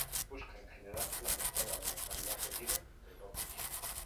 Busca en general la mejora de la calidad de vida de todos.